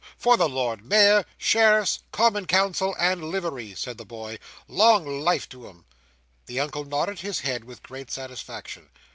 "For the Lord Mayor, Sheriffs, Common Council, and Livery," said the boy. "Long life to 'em!" The uncle nodded his head with great satisfaction.